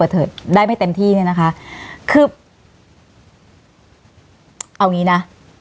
เติมที่เนี่ยค่ะ